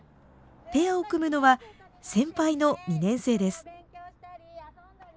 ペアを組むのは先輩の２年生です。